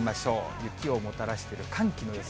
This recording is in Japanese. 雪をもたらしている寒気の予想。